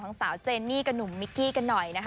สาวเจนนี่กับหนุ่มมิกกี้กันหน่อยนะคะ